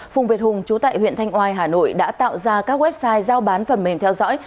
phùng việt hùng chú tại huyện thanh oai hà nội đã tạo ra các website giao bán phần mềm theo dõi